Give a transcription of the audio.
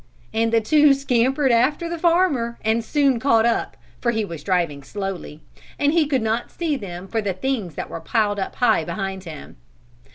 And the two scampered after the farmer and soon caught up, for he was driving slowly; and he could not see them for the things that were piled up high behind him.